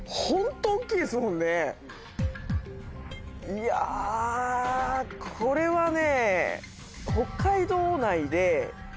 いやこれはね。